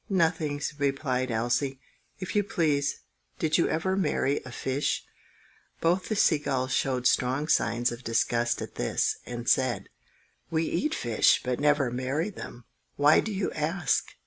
"Nothing!" replied Elsie. "If you please, did you ever marry a fish?" Both the sea gulls showed strong signs of disgust at this, and said,— "We eat fish, but never marry them. Why do you ask?"